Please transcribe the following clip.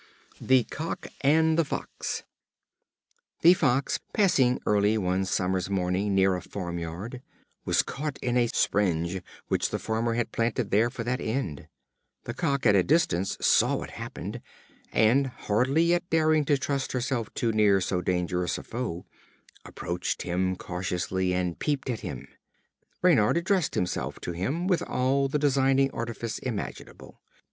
The Cock and the Fox. The Fox, passing early one summer's morning near a farm yard, was caught in a springe, which the farmer had planted there for that end. The Cock, at a distance, saw what happened, and, hardly yet daring to trust himself too near so dangerous a foe, approached him cautiously, and peeped at him. Reynard addressed himself to him, with all the designing artifice imaginable.